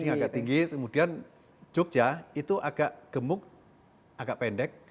ini agak tinggi kemudian jogja itu agak gemuk agak pendek